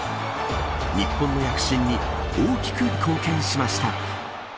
日本の躍進に大きく貢献しました。